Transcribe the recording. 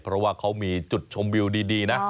เพราะว่าเขามีจุดชมวิวดีนะ